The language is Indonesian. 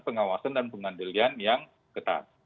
pengawasan dan pengendalian yang ketat